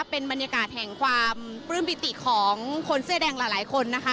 เป็นบรรยากาศแห่งความปลื้มปิติของคนเสื้อแดงหลายคนนะคะ